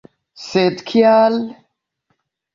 Sed kial?